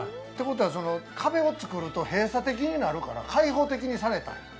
壁を作ると閉鎖的になるから開放的にされたんや。